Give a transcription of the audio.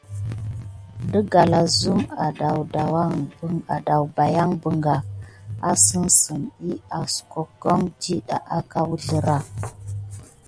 Də galazukum adawbayan balgam assani, diy askoke dida aka wuzlera.